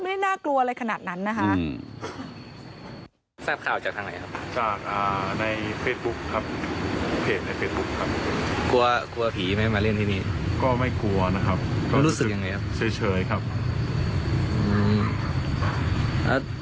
ไม่ได้น่ากลัวอะไรขนาดนั้นนะคะ